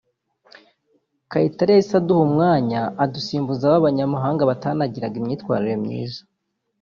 Kayitare yahise aduha umwanya adusimbuza ba banyamahanga batanagiraga imyitwarire myiza’’